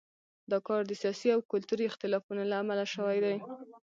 دا کار د سیاسي او کلتوري اختلافونو له امله شوی دی.